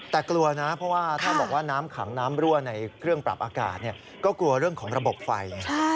แต่กลัวนะเพราะว่าถ้าบอกว่าน้ำขังน้ำรั่วในเครื่องปรับอากาศก็กลัวเรื่องของระบบไฟ